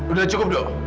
udah cukup dok